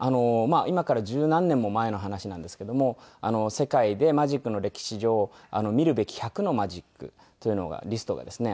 今から十何年も前の話なんですけども世界でマジックの歴史上見るべき１００のマジックというリストがですね